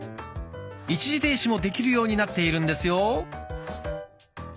一時停止もできるようになっているんですよ。